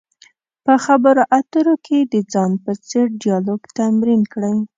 په خبرو اترو کې د ځان په څېر ډیالوګ تمرین کړئ.